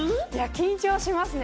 緊張しますね。